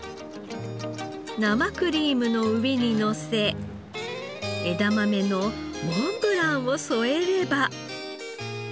生クリームの上にのせ枝豆のモンブランを添えれば。